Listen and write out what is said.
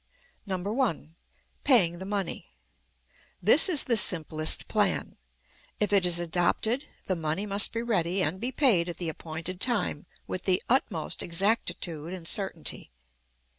1. Paying the money. This is the simplest plan. If it is adopted, the money must be ready and be paid at the appointed time with the utmost exactitude and certainty.